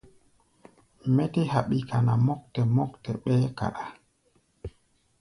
Mí tɛ́ haɓi kana mɔ́ktɛ mɔ́ktɛ, ɓɛɛ́ kaɗá.